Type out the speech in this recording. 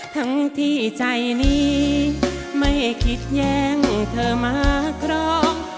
ทั้งที่ใจนี้ไม่คิดแย่งเธอมาครอง